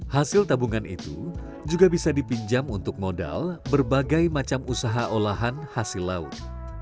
hasil tabungan itu juga bisa dipinjam untuk modal berbagai macam usaha olahan hasil laut